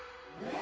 え？